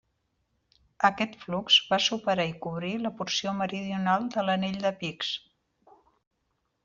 Aquest flux va superar i cobrir la porció meridional de l'anell de pics.